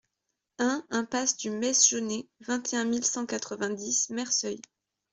un impasse du Meix Jauney, vingt et un mille cent quatre-vingt-dix Merceuil